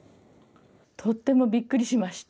とってもびっくりしました。